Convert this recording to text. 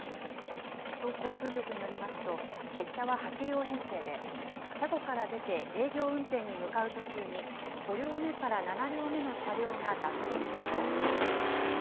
都交通局によりますと、列車は８両編成で、車庫から出て営業運転に向かう途中に、５両目から７両目の車両が脱線したということです。